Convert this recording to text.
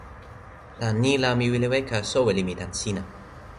tan ni la, mi wile weka e soweli mi tan sina.